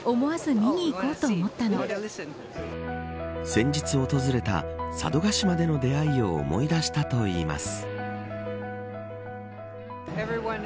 先日訪れた佐渡島での出会いを思い出したといいます。